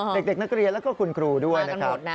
เด็กนักเรียนแล้วก็คุณครูด้วยนะครับ